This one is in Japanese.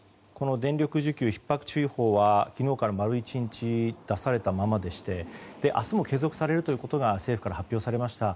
電力需給ひっ迫注意報は昨日から丸１日、出されたままでして明日も継続されることが政府から発表されました。